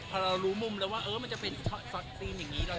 พอเรารู้มุมแล้วว่ามันจะเป็นธีมอย่างนี้